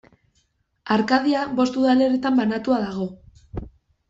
Arkadia bost udalerritan banatua dago.